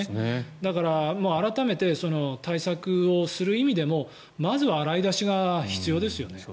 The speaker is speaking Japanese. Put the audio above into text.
だから、改めて対策をする意味でもまずは洗い出しが必要ですよね。